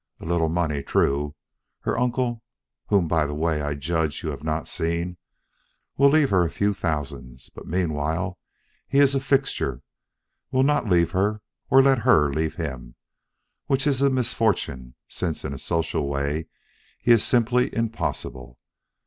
A little money, true. Her uncle, whom by the way I judge you have not seen, will leave her a few thousands; but meanwhile he is a fixture will not leave her or let her leave him, which is a misfortune since in a social way he is simply impossible.